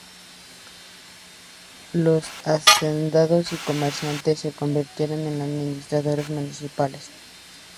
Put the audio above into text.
Los hacendados y comerciantes se convirtieron en los administradores municipales.